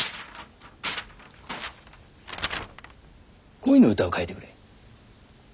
恋の歌を書いてくれ。